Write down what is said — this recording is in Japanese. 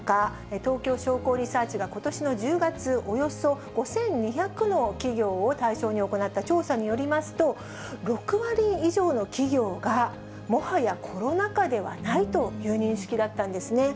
東京商工リサーチがことしの１０月およそ５２００の企業を対象に行った調査によりますと、６割以上の企業が、もはやコロナ禍ではないという認識だったんですね。